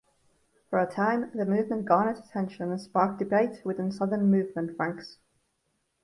For a time, the movement garnered attention and sparked debate within Southern movement ranks.